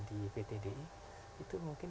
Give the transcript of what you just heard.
di ptdi itu mungkin